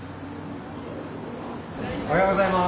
おはようございます。